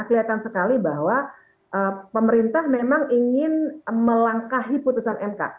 kelihatan sekali bahwa pemerintah memang ingin melangkahi putusan mk